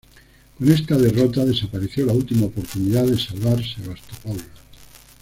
Con esta derrota desapareció la última oportunidad de salvar Sebastopol.